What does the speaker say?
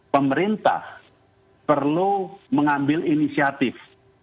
pemerintah perlu mengambil inisiatif